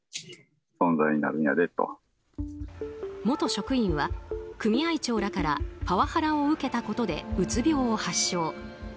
元職員は組合長らからパワハラを受けたことでうつ病を発症。